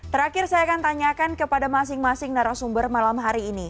terakhir saya akan tanyakan kepada masing masing narasumber malam hari ini